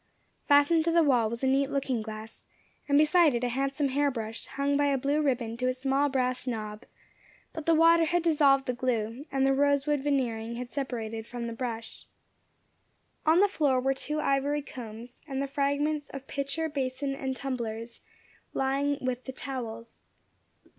Fastened to the wall was a neat looking glass, and beside it a handsome hair brush, hung by a blue ribbon to a small brass knob; but the water had dissolved the glue, and the rosewood veneering had separated from the brush. On the floor were two ivory combs, and the fragments of pitcher, bason, and tumblers, lying with the towels.